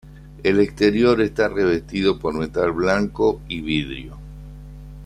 El exterior está revestido con metal blanco y vidrio.